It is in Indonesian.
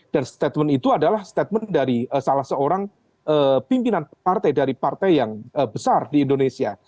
dan statement itu adalah statement dari salah seorang pimpinan partai dari partai yang besar di indonesia